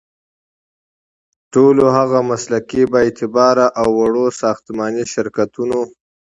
ټولو هغو مسلکي، بااعتباره او وړ ساختماني شرکتونو